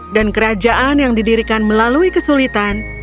dan kerajaan yang didirikan melalui kesulitan